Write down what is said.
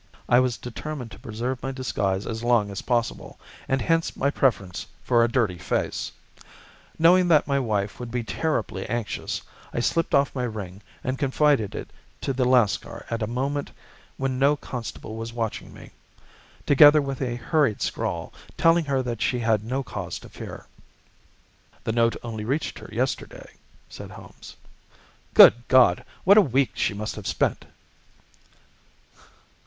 I was determined to preserve my disguise as long as possible, and hence my preference for a dirty face. Knowing that my wife would be terribly anxious, I slipped off my ring and confided it to the Lascar at a moment when no constable was watching me, together with a hurried scrawl, telling her that she had no cause to fear." "That note only reached her yesterday," said Holmes. "Good God! What a week she must have spent!"